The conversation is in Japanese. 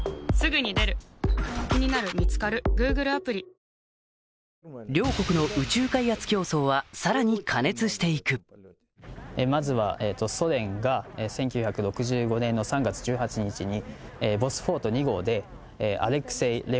その後両国の宇宙開発競争はさらに過熱していく両国の宇宙開発競争はさらに過熱していくまずはソ連が１９６５年の３月１８日に。